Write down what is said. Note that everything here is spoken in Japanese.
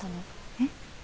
えっ？